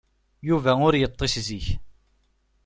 Yuba ur yeṭṭis zik.